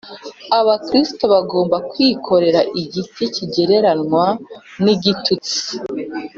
Abakristo bagomba kwikorera igiti kigereranywa n’igitutsi